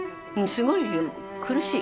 すごい苦しい。